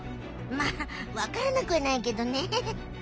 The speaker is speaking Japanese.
まあわからなくはないけどね。